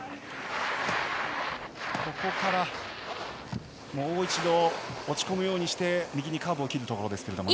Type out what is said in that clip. ここからもう一度落ち込むようにして右にカーブを切るところでしたが。